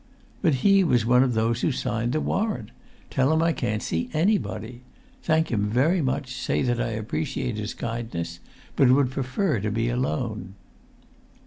"But he was one of those who signed the warrant! Tell him I can't see anybody. Thank him very much. Say that I appreciate his kindness, but would prefer to be alone."